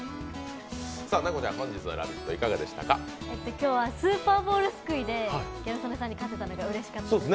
今日はスーパーボールすくいでギャル曽根さんに勝ったのがうれしかったです。